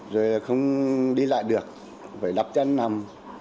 rồi là không đi lại được phải đập chân nằm